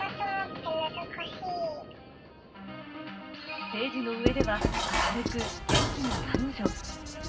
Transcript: ステージの上では明るく元気な彼女。